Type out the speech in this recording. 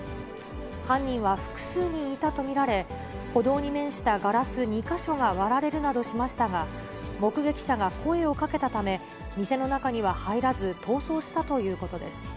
犯人は複数人いたと見られ、歩道に面したガラス２か所が割られるなどしましたが、目撃者が声をかけたため、店の中には入らず、逃走したということです。